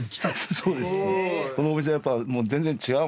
そうです。